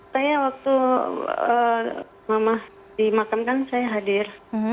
saya waktu mama dimakan kan saya hadir